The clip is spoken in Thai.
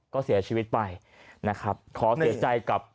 ก็เสียชีวิตไปนะครับขอเสียใจกับ